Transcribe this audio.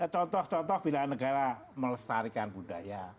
contoh contoh bila negara melestarikan budaya